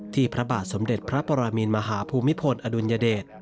พระบาทสมเด็จพระปรมินมหาภูมิพลอดุลยเดช